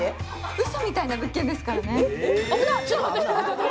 うそみたいな物件ですからね。